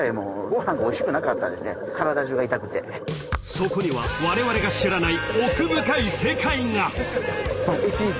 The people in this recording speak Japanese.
［そこにはわれわれが知らない］